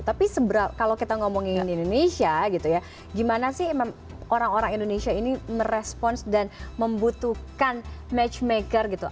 tapi kalau kita ngomongin indonesia gitu ya gimana sih orang orang indonesia ini merespons dan membutuhkan matchmaker gitu